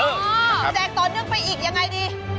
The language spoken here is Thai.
แจกต่อเนื่องไปอีกยังไงดี